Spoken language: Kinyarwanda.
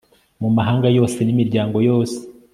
mu mahanga yose n'imiryango yose